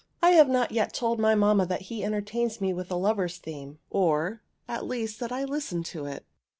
I have not yet told my mamma that he entertains me with the lover's theme, or, at least, that I listen to it.